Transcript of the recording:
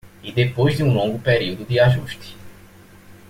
E depois de um longo período de ajuste